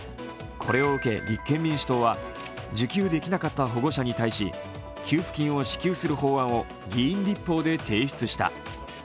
これを受け立憲民主党は受給できなかった保護者に対し給付金を支給する法案を議員立法で提出した。